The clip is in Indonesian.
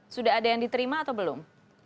sudah ada yang diterima atau belum